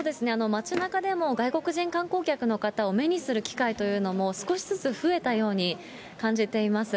街なかでも外国人観光客の方を目にする機会というのも、少しずつ増えたように感じています。